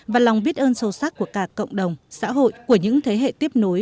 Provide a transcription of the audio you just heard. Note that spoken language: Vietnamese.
và lòng biết ơn sâu sắc của cả cộng đồng xã hội của những thế hệ tiếp nối